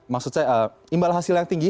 maksud saya imbal hasil yang tinggi